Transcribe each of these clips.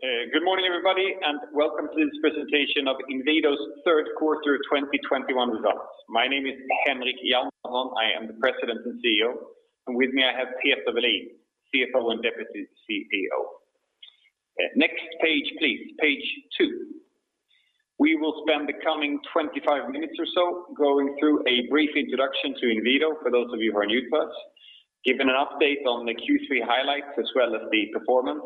Good morning, everybody, and welcome to this presentation of Inwido's third quarter 2021 results. My name is Henrik Hjalmarsson. I am the President and CEO, and with me I have Peter Welin, CFO and Deputy CEO. Next page, please, page two. We will spend the coming 25 minutes or so going through a brief introduction to Inwido for those of you who are new to us, giving an update on the Q3 highlights as well as the performance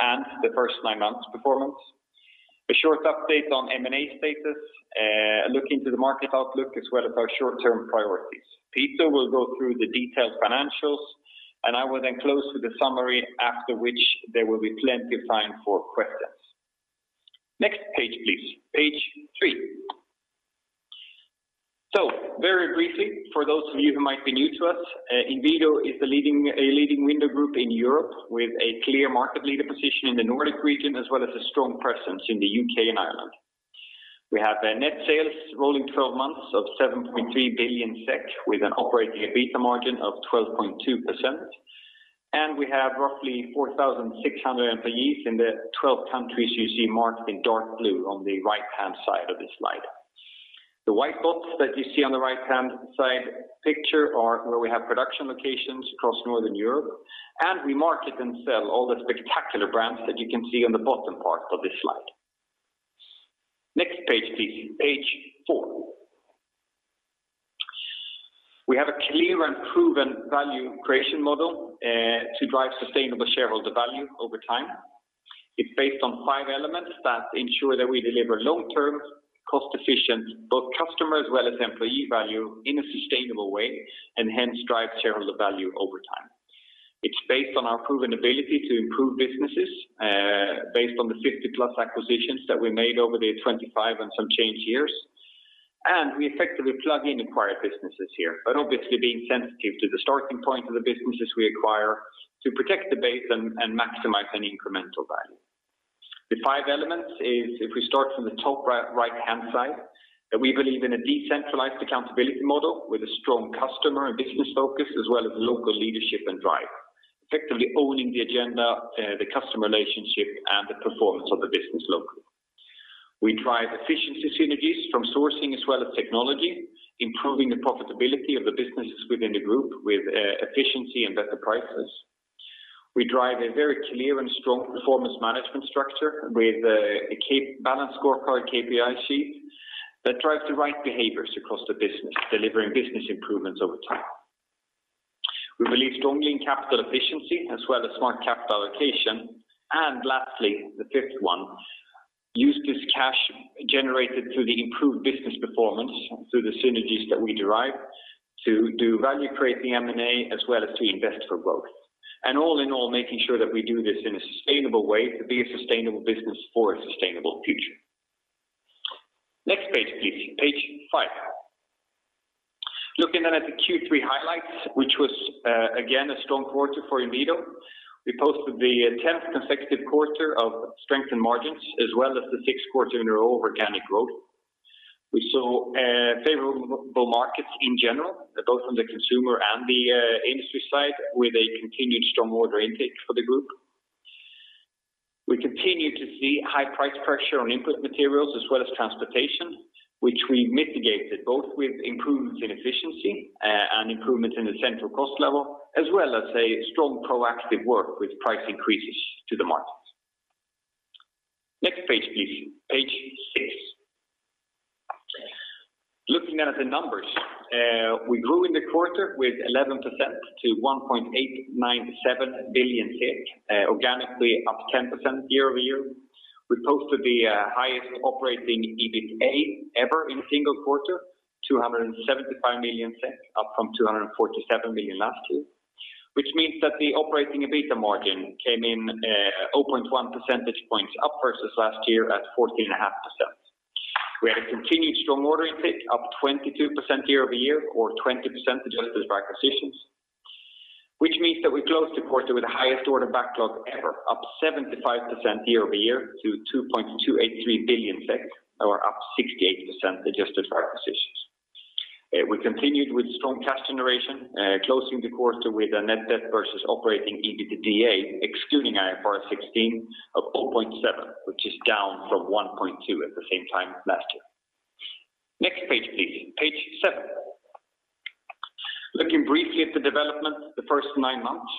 and the first nine months performance, a short update on M&A status, a look into the market outlook, as well as our short term priorities. Peter will go through the detailed financials. I will then close with a summary after which there will be plenty of time for questions. Next page, please. Page three. Very briefly, for those of you who might be new to us, Inwido is a leading window group in Europe with a clear market leader position in the Nordic region as well as a strong presence in the U.K. and Ireland. We have net sales rolling 12 months of 7.3 billion SEK with an operating EBITDA margin of 12.2%, and we have roughly 4,600 employees in the 12 countries you see marked in dark blue on the right-hand side of the slide. The white dots that you see on the right-hand side picture are where we have production locations across Northern Europe, and we market and sell all the spectacular brands that you can see on the bottom part of this slide. Next page, please. Page four. We have a clear and proven value creation model to drive sustainable shareholder value over time. It's based on five elements that ensure that we deliver long-term, cost-efficient, both customer as well as employee value in a sustainable way, and hence drive shareholder value over time. It's based on our proven ability to improve businesses based on the 50+ acquisitions that we made over the 25 and some change years. We effectively plug in acquired businesses here, but obviously being sensitive to the starting point of the businesses we acquire to protect the base and maximize any incremental value. The five elements is if we start from the top right-hand side, that we believe in a decentralized accountability model with a strong customer and business focus, as well as local leadership and drive. Effectively owning the agenda, the customer relationship, and the performance of the business locally. We drive efficiency synergies from sourcing as well as technology, improving the profitability of the businesses within the group with efficiency and better prices. We drive a very clear and strong performance management structure with a balanced scorecard KPI sheet that drives the right behaviors across the business, delivering business improvements over time. We believe strongly in capital efficiency as well as smart capital allocation. Lastly, the fifth one, use this cash generated through the improved business performance through the synergies that we derive to do value creating M&A as well as to invest for growth. All in all, making sure that we do this in a sustainable way to be a sustainable business for a sustainable future. Next page, please. Page five. Looking at the Q3 highlights, which was again a strong quarter for Inwido. We posted the 10th consecutive quarter of strength and margins as well as the 6th quarter in a row organic growth. We saw favorable markets in general, both on the consumer and the industry side, with a continued strong order intake for the group. We continue to see high price pressure on input materials as well as transportation, which we mitigated both with improvements in efficiency and improvement in the central cost level, as well as a strong proactive work with price increases to the markets. Next page, please. Page six. Looking at the numbers, we grew in the quarter with 11% to 1.897 billion, organically up 10% year-over-year. We posted the highest operating EBITDA ever in a single quarter, 275 million SEK up from 247 million last year, which means that the operating EBITDA margin came in 0.1 percentage points up versus last year at 14.5%. We had a continued strong order intake up 22% year-over-year or 20% adjusted for acquisitions, which means that we closed the quarter with the highest order backlog ever, up 75% year-over-year to 2.283 billion or up 68% adjusted for acquisitions. We continued with strong cash generation, closing the quarter with a net debt versus operating EBITDA excluding IFRS 16 of 0.7, which is down from 1.2 at the same time last year. Next page, please. Page seven. Looking briefly at the development the first nine months,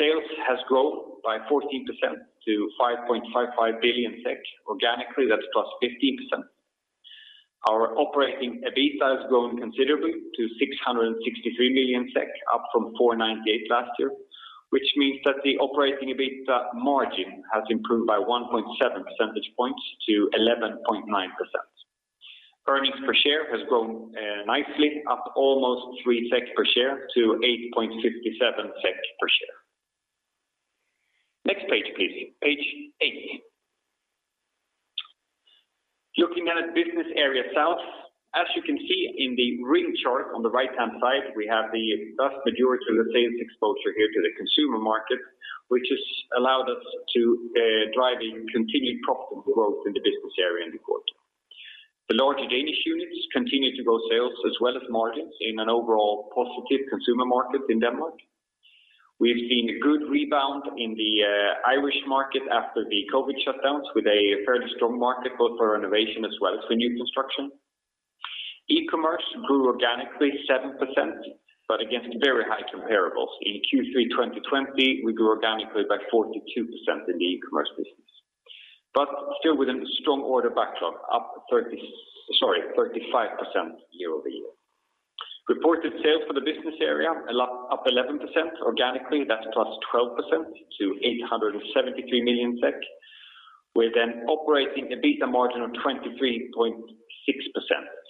sales has grown by 14% to 5.55 billion SEK. Organically, that's plus 15%. Our operating EBITDA has grown considerably to 663 million SEK up from 498 last year, which means that the operating EBITDA margin has improved by 1.7 percentage points to 11.9%. Earnings per share has grown nicely, up almost 3 per share to 8.57 per share. Next page, please. Page eight. Looking at business area sales, as you can see in the ring chart on the right-hand side, we have the vast majority of the sales exposure here to the consumer market, which has allowed us to drive a continued profit growth in the business area in the quarter. The larger Danish units continued to grow sales as well as margins in an overall positive consumer market in Denmark. We've seen a good rebound in the Irish market after the COVID shutdowns, with a fairly strong market both for renovation as well as for new construction. E-commerce grew organically 7%, but against very high comparables. In Q3 2020, we grew organically by 42% in the e-commerce business. Still with a strong order backlog up 35% year-over-year. Reported sales for the business area are up 11% organically. That's plus 12% to 873 million SEK, with an operating EBITDA margin of 23.6%,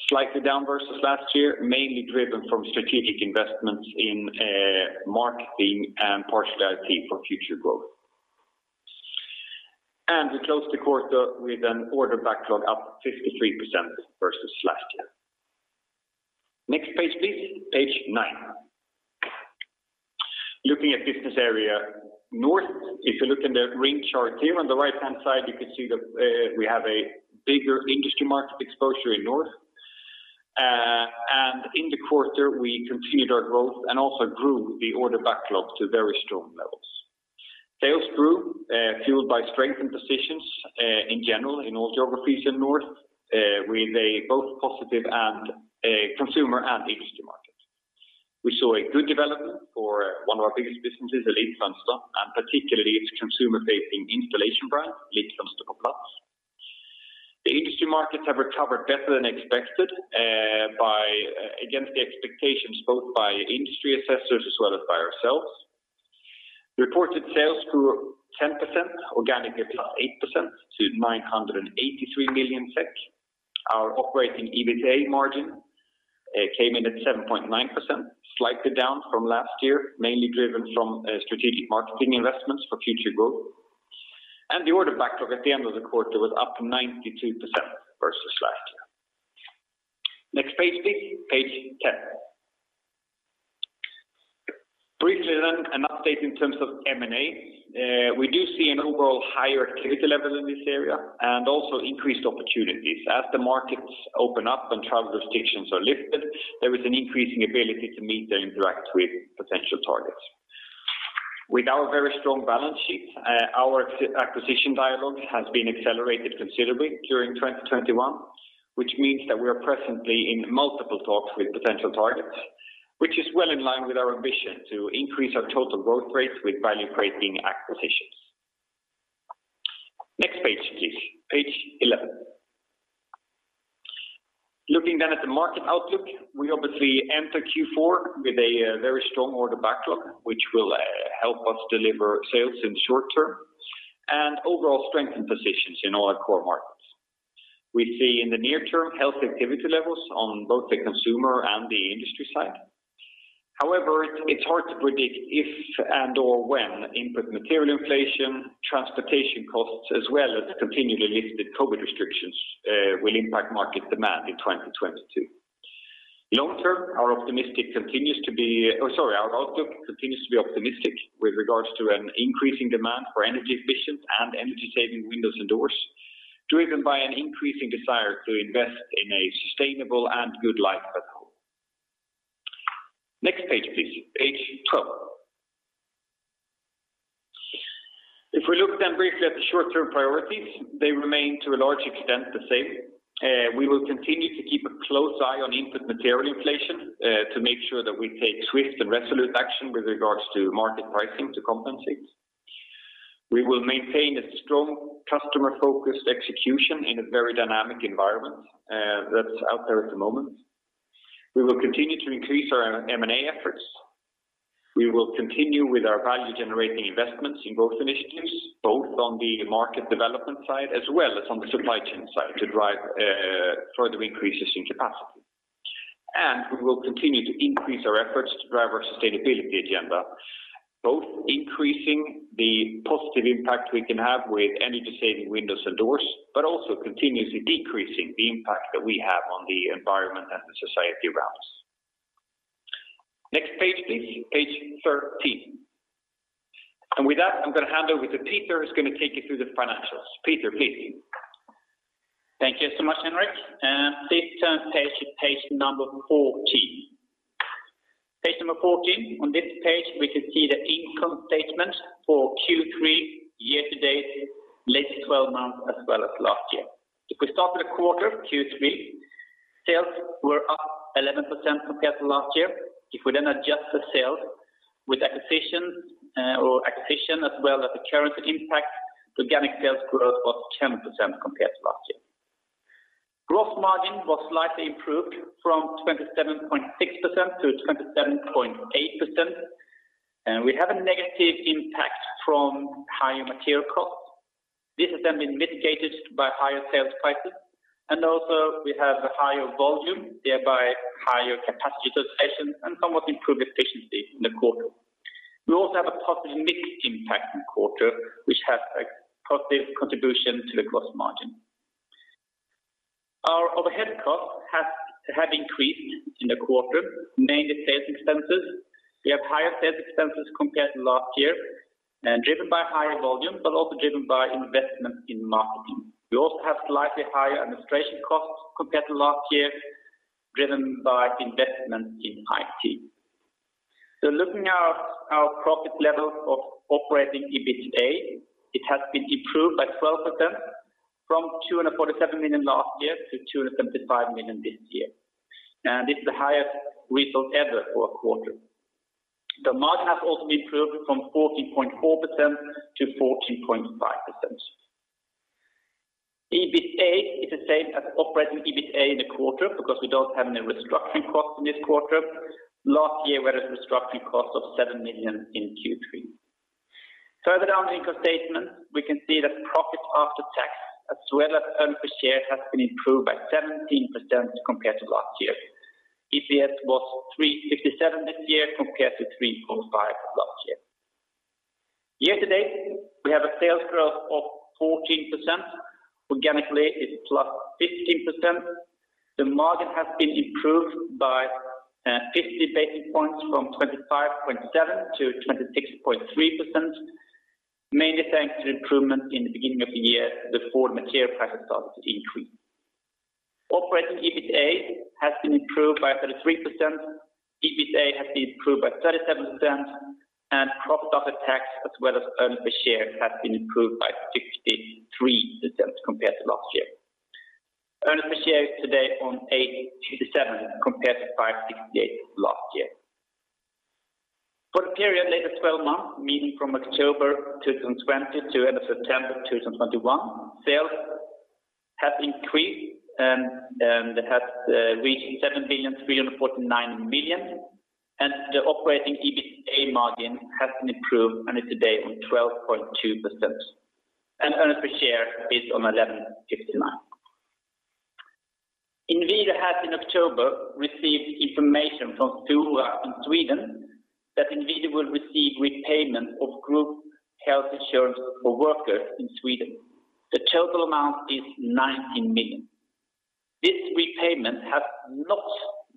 slightly down versus last year, mainly driven from strategic investments in marketing and partially IT for future growth. We closed the quarter with an order backlog up 53% versus last year. Next page, please. Page nine. Looking at Business Area North, if you look in the green chart here on the right-hand side, you can see that we have a bigger industry market exposure in North. In the quarter, we continued our growth and also grew the order backlog to very strong levels. Sales grew, fueled by strength in positions in general in all geographies in North, with a both positive and a consumer and industry market. We saw a good development for one of our biggest businesses, Elitfönster, and particularly its consumer-facing installation brand, Elitfönster På Plats. The industry markets have recovered better than expected against the expectations, both by industry assessors as well as by ourselves. Reported sales grew 10%, organically plus 8% to 983 million SEK. Our operating EBITA margin came in at 7.9%, slightly down from last year, mainly driven from strategic marketing investments for future growth. The order backlog at the end of the quarter was up 92% versus last year. Next page, please. Page 10. Briefly, an update in terms of M&A. We do see an overall higher activity level in this area and also increased opportunities. As the markets open up and travel restrictions are lifted, there is an increasing ability to meet and interact with potential targets. With our very strong balance sheet, our acquisition dialogue has been accelerated considerably during 2021, which means that we are presently in multiple talks with potential targets, which is well in line with our ambition to increase our total growth rate with value-creating acquisitions. Next page, please. Page 11. Looking then at the market outlook, we obviously enter Q4 with a very strong order backlog, which will help us deliver sales in the short term and overall strengthen positions in all our core markets. We see in the near term healthy activity levels on both the consumer and the industry side. However, it's hard to predict if and/or when input material inflation, transportation costs, as well as continually lifted COVID restrictions will impact market demand in 2022. Long term, our outlook continues to be optimistic with regards to an increasing demand for energy efficient and energy saving windows and doors, driven by an increasing desire to invest in a sustainable and good life at home. Next page, please. Page 12. If we look briefly at the short-term priorities, they remain to a large extent the same. We will continue to keep a close eye on input material inflation, to make sure that we take swift and resolute action with regards to market pricing to compensate. We will maintain a strong customer-focused execution in a very dynamic environment that's out there at the moment. We will continue to increase our M&A efforts. We will continue with our value-generating investments in growth initiatives, both on the market development side as well as on the supply chain side to drive further increases in capacity. And we will continue to increase our efforts to drive our sustainability agenda, both increasing the positive impact we can have with energy-saving windows and doors, but also continuously decreasing the impact that we have on the environment and the society around us. Next page, please. Page 13. With that, I'm going to hand over to Peter, who's going to take you through the financials. Peter, please. Thank you so much, Henrik. Please turn page to page number 14. Page number 14. On this page, we can see the income statement for Q3, year to date, latest 12 months, as well as last year. If we start with the quarter, Q3, sales were up 11% compared to last year. If we then adjust the sales with acquisition as well as the currency impact, the organic sales growth was 10% compared to last year. Gross margin was slightly improved from 27.6% to 27.8%, and we have a negative impact from higher material costs. This has then been mitigated by higher sales prices, and also we have a higher volume, thereby higher capacity utilization and somewhat improved efficiency in the quarter. We also have a positive mix impact in the quarter, which has a positive contribution to the gross margin. Our overhead cost have increased in the quarter, mainly sales expenses. We have higher sales expenses compared to last year, driven by higher volume, also driven by investment in marketing. We also have slightly higher administration costs compared to last year, driven by investment in IT. Looking at our profit levels of operating EBITDA, it has been improved by 12% from 247 million last year to 275 million this year. This is the highest result ever for a quarter. The margin has also been improved from 14.4% to 14.5%. EBITA is the same as operating EBITA in the quarter because we don't have any restructuring costs in this quarter. Last year, we had a restructuring cost of 7 million in Q3. Further down the income statement, we can see that profit after tax as well as earnings per share has been improved by 17% compared to last year. EPS was 3.57 this year compared to 3.5 last year. Year-to-date, we have a sales growth of 14%. Organically, it's plus 15%. The margin has been improved by 50 basis points from 25.7% to 26.3%, mainly thanks to improvement in the beginning of the year before material prices started to increase. Operating EBITA has been improved by 33%. EBITA has been improved by 37%. Profit after tax as well as earnings per share has been improved by 53% compared to last year. Earnings per share today on 8.27 compared to 5.68 last year. For the period in the 12 months, meaning from October 2020 to end of September 2021, sales have increased and have reached 7,349,000,000. And the operating EBITA margin has been improved and is today on 12.2%. Earnings per share is on 11.59. Inwido has in October received information from Fora in Sweden that Inwido will receive repayment of group health insurance for workers in Sweden. The total amount is 19 million. This repayment has not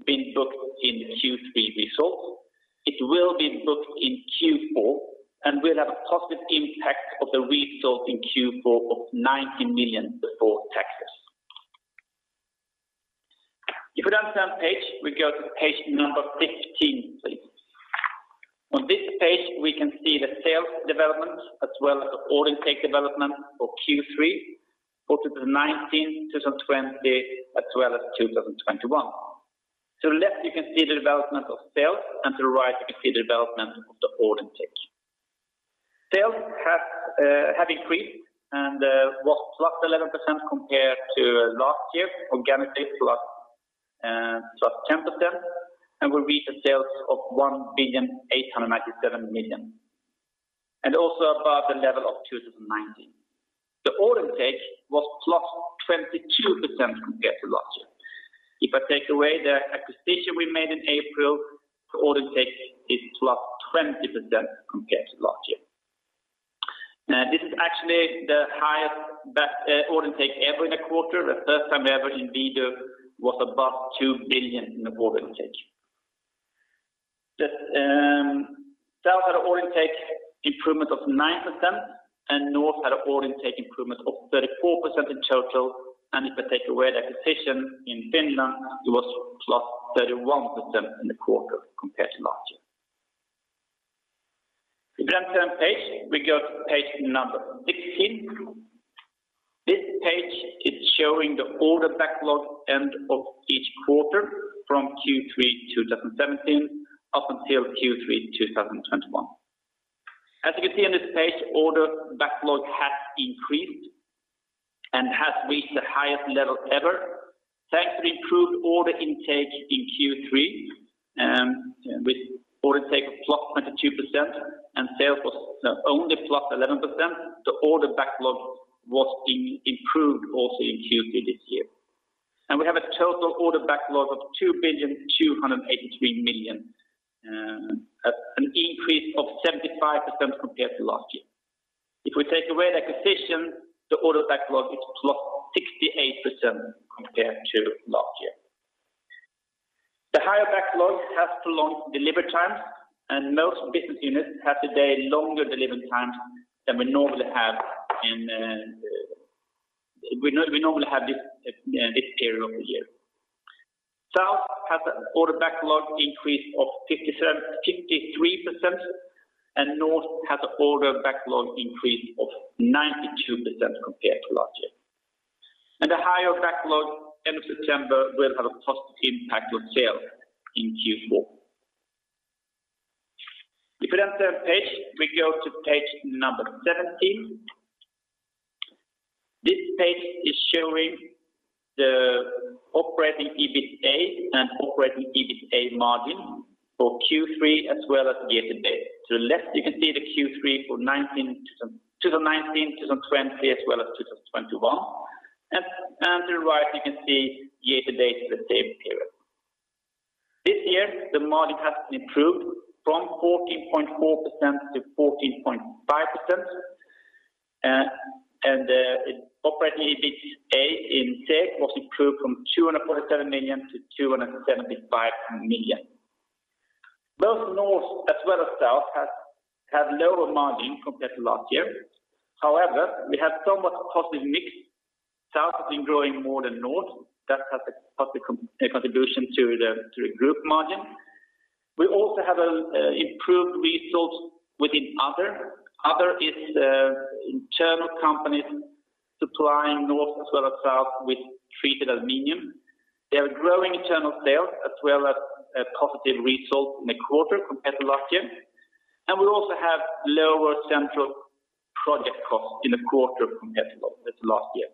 been booked in the Q3 results. It will be booked in Q4 and will have a positive impact of the result in Q4 of 19 million before taxes. If we turn the page, we go to page number 15, please. On this page, we can see the sales development as well as the order intake development for Q3, year 2019, 2020 as well as 2021. To the left, you can see the development of sales, and to the right, you can see the development of the order intake. Sales have increased and was +11% compared to last year, organically +10%, will reach a sales of 1,897,000,000. And also above the level of 2019. The order intake was +22% compared to last year. If I take away the acquisition we made in April, the order intake is +20% compared to last year. Now, this is actually the highest order intake ever in a quarter, the first time ever Inwido was above 2 billion in the order intake. South had an order intake improvement of 9%, North had an order intake improvement of 34% in total. If I take away the acquisition in Finland, it was +31% in the quarter compared to last year. If we turn the page, we go to page number 16. This page is showing the order backlog end of each quarter from Q3 2017 up until Q3 2021. As you can see on this page, order backlog has increased and has reached the highest level ever. Thanks to the improved order intake in Q3, with order intake +22% and sales was only +11%, the order backlog was improved also in Q3 this year. We have a total order backlog of 2,283 million, an increase of 75% compared to last year. If we take away the acquisition, the order backlog is +68% compared to last year. The higher backlog has prolonged delivery times. And most business units have today longer delivery times than we normally have this period of the year. South has an order backlog increase of 53%, North has an order backlog increase of 92% compared to last year. The higher backlog end of September will have a positive impact on sales in Q4. If we turn the page, we go to page 17. This page is showing the operating EBITA and operating EBITA margin for Q3 as well as year-to-date. To the left, you can see the Q3 for 2019, 2020 as well as 2021. To the right, you can see year-to-date for the same period. This year, the margin has improved from 14.4% to 14.5%. The operating EBITDA instead was improved from 247 million to 275 million. Both North as well as South had lower margin compared to last year. However, we had somewhat a positive mix. South has been growing more than North. That has a positive contribution to the group margin. We also have improved results within other. Other is internal companies supplying North as well as South with treated aluminum. They are growing internal sales as well as a positive result in the quarter compared to last year. We also have lower central project costs in the quarter compared to last year.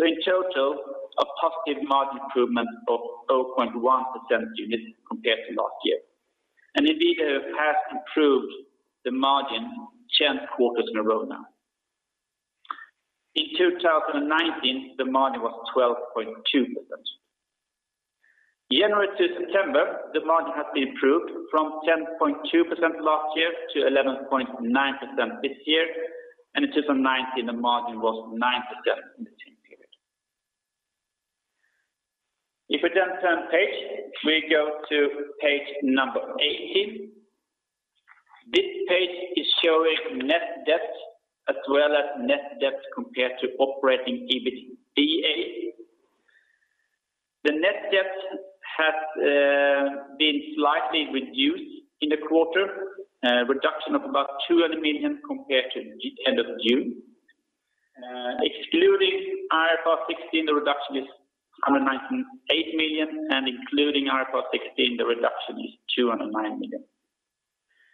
In total, a positive margin improvement of 0.1% units compared to last year. Indeed, we have improved the margin 10 quarters in a row now. In 2019, the margin was 12.2%. January to September, the margin has been improved from 10.2% last year to 11.9% this year, and in 2019, the margin was 9% in the same period. If we then turn page, we go to page number 18. This page is showing net debt as well as net debt compared to operating EBITDA. The net debt has been slightly reduced in the quarter, a reduction of about 200 million compared to the end of June. Excluding IFRS 16, the reduction is 198 million, and including IFRS 16, the reduction is 209 million.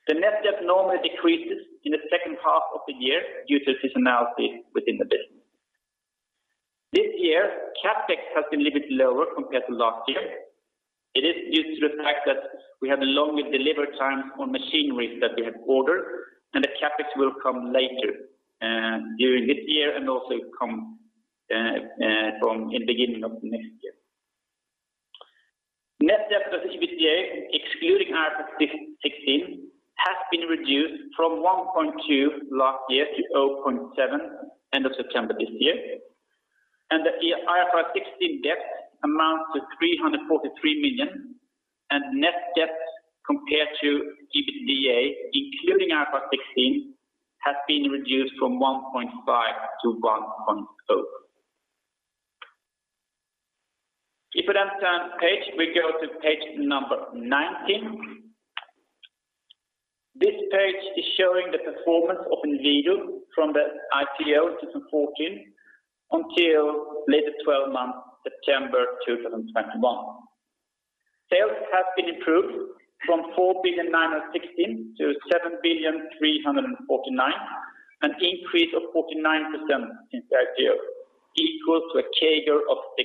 The net debt normally decreases in the second half of the year due to seasonality within the business. This year, CapEx has been a little bit lower compared to last year. It is due to the fact that we have a longer delivery time on machinery that we have ordered, and the CapEx will come later during this year and also come from in the beginning of next year. Net debt/EBITDA, excluding IFRS 16, has been reduced from 1.2 last year to 0.7 end of September this year. The IFRS 16 debt amounts to 343 million, and net debt compared to EBITDA, including IFRS 16, has been reduced from 1.5 to 1.0. So, if we then turn page, we go to page number 19. This page is showing the performance of Inwido from the IPO 2014 until latest 12 months, September 2021. Sales have been improved from 4.916 billion to 7.349 billion, an increase of 49% since that year, equal to a CAGR of 6%.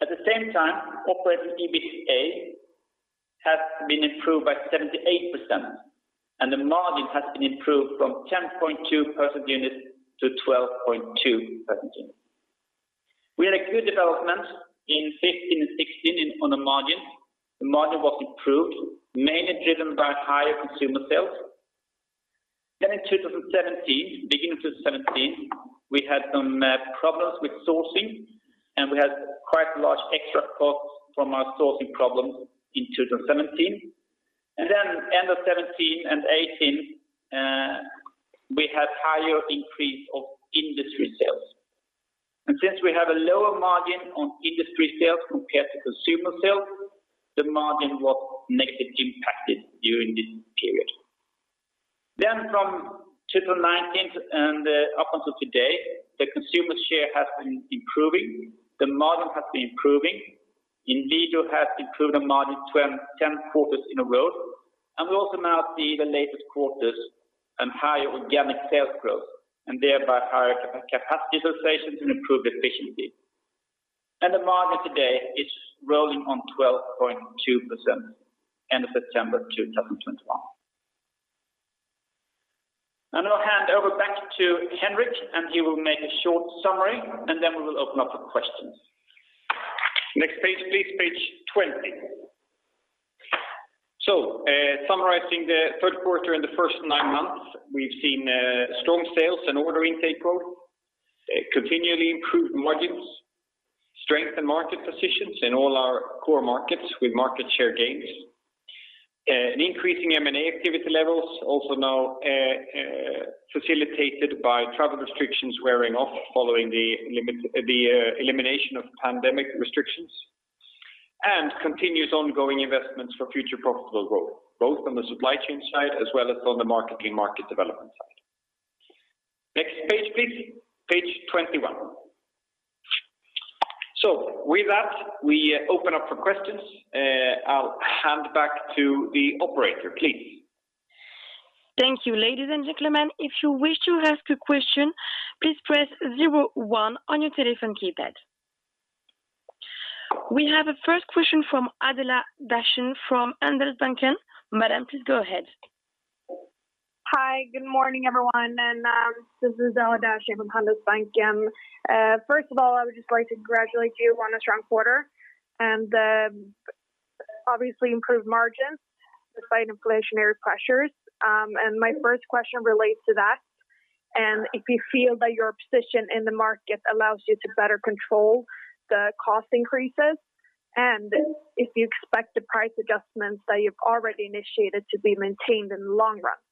At the same time, operating EBITDA has been improved by 78%, and the margin has been improved from 10.2% units to 12.2% units. We had a good development in 2015 and 2016 on the margin. The margin was improved, mainly driven by higher consumer sales. In 2017, beginning 2017, we had some problems with sourcing, and we had quite a large extra cost from our sourcing problems in 2017. Then, end of 2017 and 2018, we had higher increase of industry sales. And since we have a lower margin on industry sales compared to consumer sales, the margin was negatively impacted during this period. From 2019 and up until today, the consumer share has been improving. The margin has been improving. Inwido has improved the margin 10 quarters in a row, we also now see the latest quarters and higher organic sales growth, thereby higher capacity utilization and improved efficiency. The margin today is rolling on 12.2% end of September 2021. I'll hand over back to Henrik, he will make a short summary, we will open up for questions. Next page, please, page 20. Summarizing the third quarter and the first nine months, we've seen strong sales and order intake growth, continually improved margins, strength in market positions in all our core markets with market share gains, an increase in M&A activity levels, also now facilitated by travel restrictions wearing off following the elimination of pandemic restrictions. Continuous ongoing investments for future profitable growth, both on the supply chain side as well as on the marketing market development side. Next page, please, page 21. With that, we open up for questions. I'll hand back to the operator, please. Thank you. Ladies and gentlemen, if you wish to ask a question, please press zero-one on your telephone keypad. We have a first question from Adela Dashian from Handelsbanken. Madam, please go ahead. Hi, good morning, everyone. This is Adela Dashian from Handelsbanken. First of all, I would just like to congratulate you on a strong quarter and the obviously improved margins despite inflationary pressures. My first question relates to that, and if you feel that your position in the market allows you to better control the cost increases, and if you expect the price adjustments that you've already initiated to be maintained in the long run?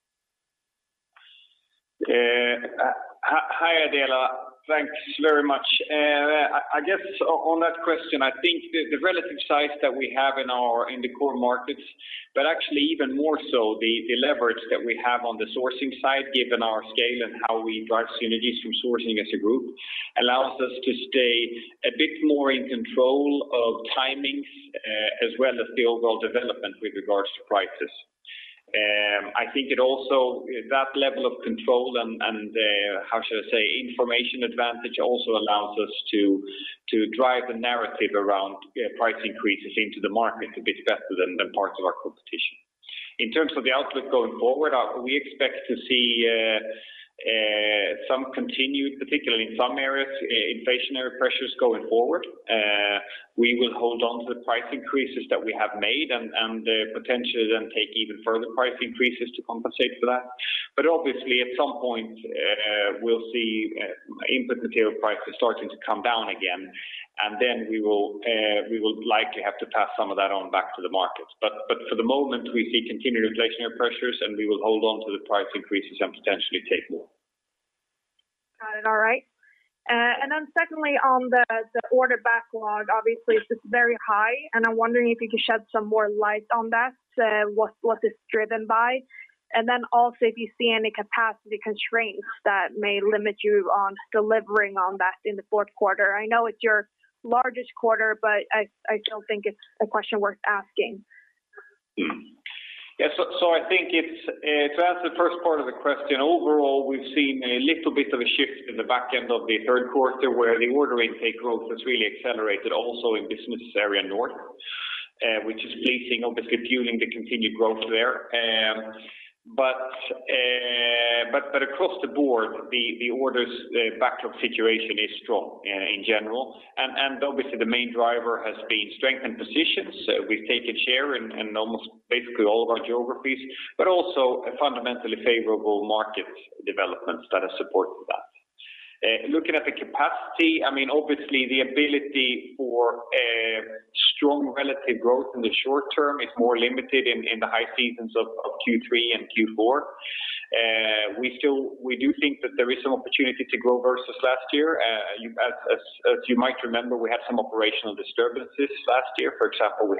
Hi, Adela. Thanks very much. I guess on that question, I think the relative size that we have in the core markets, but actually even more so the leverage that we have on the sourcing side, given our scale and how we drive synergies from sourcing as a group, allows us to stay a bit more in control of timings as well as the overall development with regards to prices. I think it also, that level of control and, how should I say, information advantage also allows us to drive the narrative around price increases into the market a bit better than parts of our competition. In terms of the outlook going forward, we expect to see some continued, particularly in some areas, inflationary pressures going forward. We will hold on to the price increases that we have made. Potentially then take even further price increases to compensate for that. Obviously, at some point, we'll see input material prices starting to come down again, and then we will likely have to pass some of that on back to the market. But for the moment, we see continued inflationary pressures, and we will hold on to the price increases and potentially take more. Got it. All right. Then, secondly, on the order backlog, obviously it's very high, and I'm wondering if you could shed some more light on that, what it's driven by. Also if you see any capacity constraints that may limit you on delivering on that in the fourth quarter. I know it's your largest quarter, but I still think it's a question worth asking. Yes. I think to answer the first part of the question, overall, we've seen a little bit of a shift in the back end of the third quarter where the order intake growth has really accelerated also in Business Area North, which is pleasing, obviously fueling the continued growth there. Across the board, the orders backlog situation is strong in general. Obviously the main driver has been strengthened positions. So, we've taken share in almost basically all of our geographies, but also a fundamentally favorable market development that has supported that. Looking at the capacity, I mean obviously the ability for strong relative growth in the short term is more limited in the high seasons of Q3 and Q4. We do think that there is some opportunity to grow versus last year. As you might remember, we had some operational disturbances last year. For example, we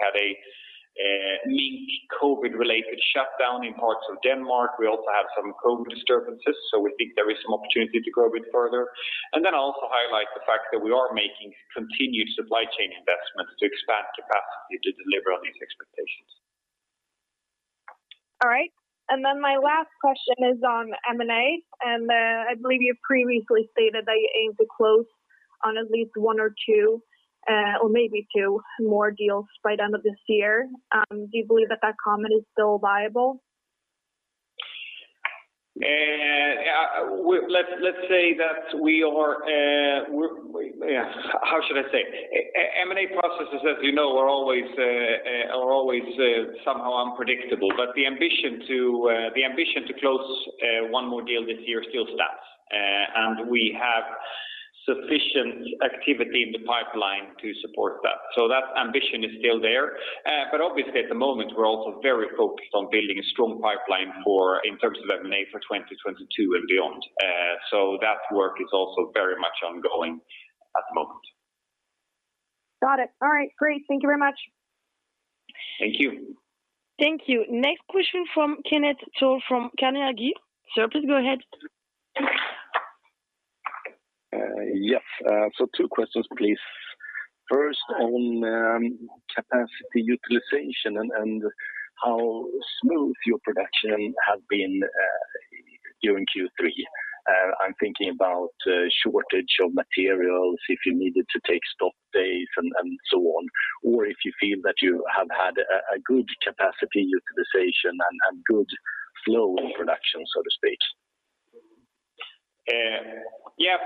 had a mini-COVID related shutdown in parts of Denmark. We also had some COVID disturbances, so we think there is some opportunity to grow a bit further. Then I'll also highlight the fact that we are making continued supply chain investments to expand capacity to deliver on these expectations. All right. My last question is on M&A, and I believe you previously stated that you aim to close on at least one or two, or maybe two more deals by the end of this year. Do you believe that that comment is still viable? How should I say? M&A processes, as you know, are always somehow unpredictable. The ambition to close one more deal this year still stands. We have sufficient activity in the pipeline to support that. So that ambition is still there. Obviously at the moment, we're also very focused on building a strong pipeline in terms of M&A for 2022 and beyond. That work is also very much ongoing at the moment. Got it. All right, great. Thank you very much. Thank you. Thank you. Next question from Kenneth Toll from Carnegie. Sir, please go ahead. Yes. Two questions please. First on capacity utilization and how smooth your production has been during Q3. I'm thinking about shortage of materials, if you needed to take stock days and so on, or if you feel that you have had a good capacity utilization and good flow in production, so to speak. Yeah.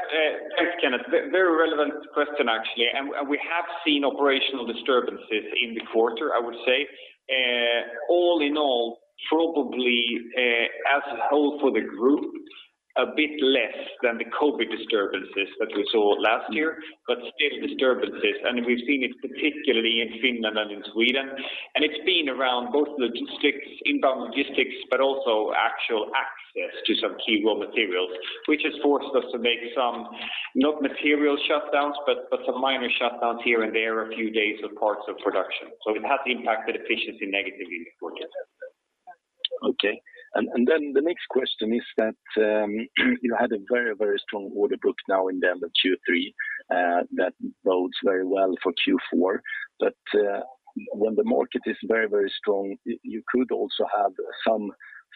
Thanks, Kenneth. Very relevant question, actually. We have seen operational disturbances in the quarter, I would say. All in all, probably as a whole for the group, a bit less than the COVID disturbances that we saw last year, but still disturbances. We've seen it particularly in Finland and in Sweden. It's been around both logistics, inbound logistics, but also actual access to some key raw materials, which has forced us to make some not material shutdowns, but some minor shutdowns here and there, a few days of parts of production. It has impacted efficiency negatively in the quarter. Okay. Then the next question is that you had a very strong order book now in the end of Q3 that bodes very well for Q4. When the market is very strong, you could also have some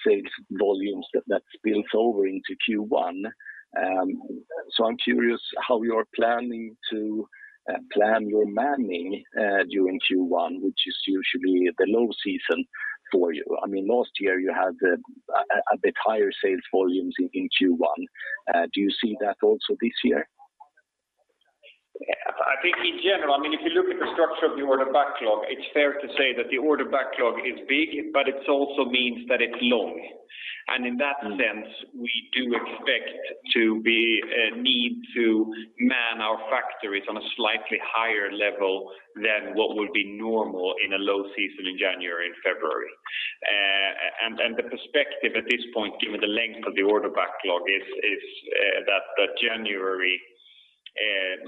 sales volumes that spills over into Q1. I'm curious how you are planning to plan your manning during Q1, which is usually the low season for you. Last year you had a bit higher sales volumes in Q1. Do you see that also this year? I think in general, if you look at the structure of the order backlog, it's fair to say that the order backlog is big, but it also means that it's long. In that sense, we do expect to need to man our factories on a slightly higher level than what would be normal in a low season in January and February. The perspective at this point, given the length of the order backlog, is that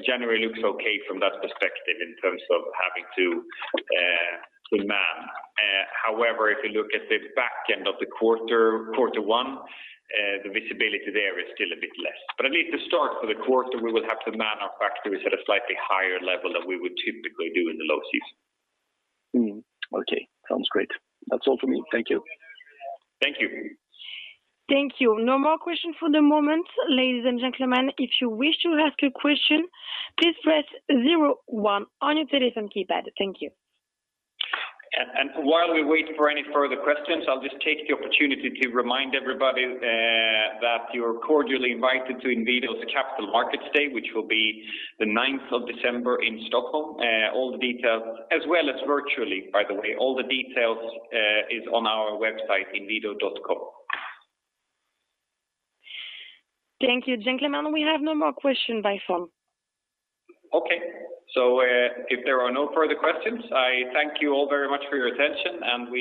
January looks okay from that perspective in terms of having to man. However, if you look at the back end of the quarter one, the visibility there is still a bit less. At least the start for the quarter, we will have to man our factories at a slightly higher level than we would typically do in the low season. Okay. Sounds great. That's all from me. Thank you. Thank you. Thank you. No more questions for the moment. Ladies and gentlemen, if you wish to ask a question, please press zero-one on your telephone keypad. Thank you. While we wait for any further questions, I'll just take the opportunity to remind everybody that you're cordially invited to Inwido's Capital Markets Day, which will be the 9th of December in Stockholm. As well as virtually, by the way. All the details is on our website, inwido.com. Thank you. Gentlemen, we have no more questions by phone. Okay. So if there are no further questions, I thank you all very much for your attention.